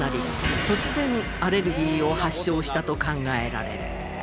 突然アレルギーを発症したと考えられる。